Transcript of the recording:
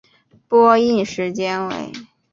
播映时间为。